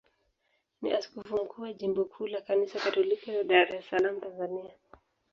ni askofu mkuu wa jimbo kuu la Kanisa Katoliki la Dar es Salaam, Tanzania.